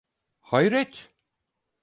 Hayret!